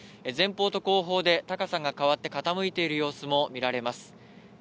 前方と後方で高さが変わって傾いている様子も見られます。